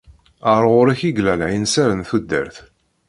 Ar ɣur-k i yella lɛinser n tudert.